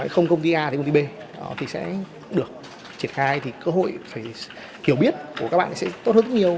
không công ty a công ty b thì sẽ được triển khai thì cơ hội phải hiểu biết của các bạn sẽ tốt hơn rất nhiều